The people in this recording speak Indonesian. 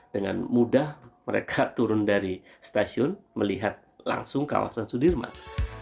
dengan mudah mereka turun dari stasiun melihat langsung kawasan sudirman